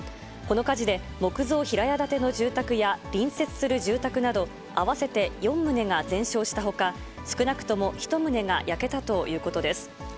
この火事で木造平屋建ての住宅や隣接する住宅など、合わせて４棟が全焼したほか、少なくとも１棟が焼けたということです。